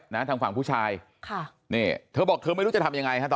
ในฝั่งผู้ชายเธอบอกเธอไม่รู้จะทำยังไงตอนนี้